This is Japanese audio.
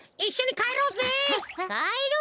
かえろうぜ！